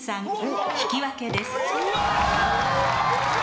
引き分けです。